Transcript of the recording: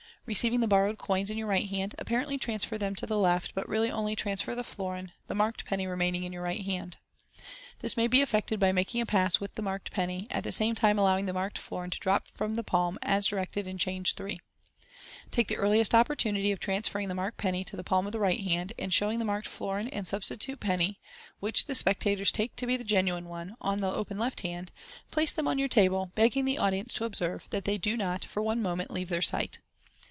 Receiving the borrowed coins in your right hand, apparently transfer them to the left, but really only transfer the florin, the marked penny remaining in your right hand. This may be effected by making Pass 2 with the marked penny, at the same time allowing the marked florin to drop from the palm as directed in Change 3. Take the earliest opportunity of transferring the marked penny to the palm of the right hand, and showing the marked florin and the substitute penny (which the spectators take to be the genuine one) on the open left hand, place them on your table, begging the audience to observe that they do not for one moment leave their sight.